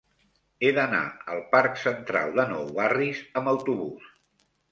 He d'anar al parc Central de Nou Barris amb autobús.